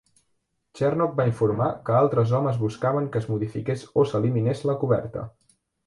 Chernock va informar que altres homes buscaven que es modifiqués o s'eliminés la coberta.